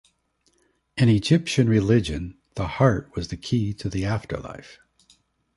In Egyptian religion, the heart was the key to the afterlife.